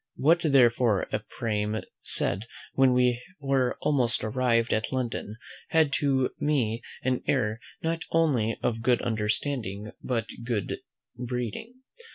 What therefore Ephraim said when we were almost arriv'd at London had to me an air not only of good understanding but good breeding.